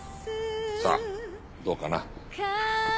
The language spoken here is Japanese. さあどうかな。